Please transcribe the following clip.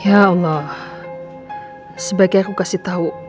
ya allah kau juga udah